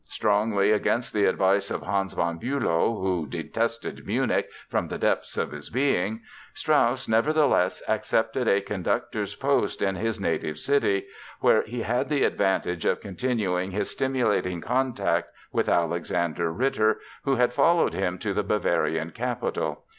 Strongly against the advice of Hans von Bülow, who detested Munich from the depths of his being, Strauss, nevertheless, accepted a conductor's post in his native city, where he had the advantage of continuing his stimulating contact with Alexander Ritter, who had followed him to the Bavarian capital.